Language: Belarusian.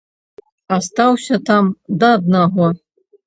Астаўся там, да аднаго.